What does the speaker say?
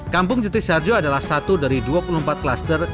kampung jutis sarjo adalah satu dari dua puluh empat klaster